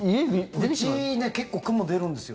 うちね結構クモ出るんですよ。